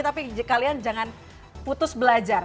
tapi kalian jangan putus belajar